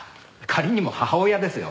仮にも母親ですよ？